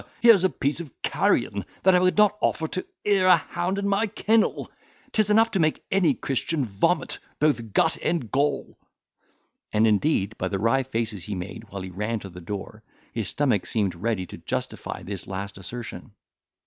here's a piece of carrion, that I would not offer to e'er a hound in my kennel; 'tis enough to make any Christian vomit both gut and gall;" and indeed by the wry faces he made while he ran to the door, his stomach seemed ready to justify this last assertion.